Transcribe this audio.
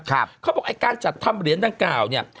เขาบอกไอ้การจัดทำเหรียญดังกล่าวเนี่ย